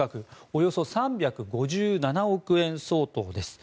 およそ３５７億円相当です。